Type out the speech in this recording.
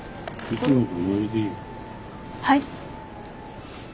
はい？